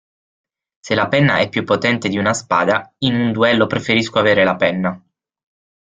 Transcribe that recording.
Se la penna è più potente di una spada, in un duello preferisco avere la penna.